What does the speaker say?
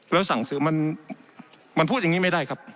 แล้วสั่งซื้อมันพูดอย่างนี้ไม่ได้ครับ